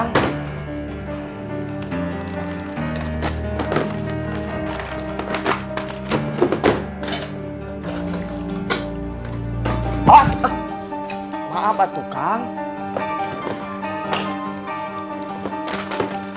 ninn musrik itu dosa besar untukmu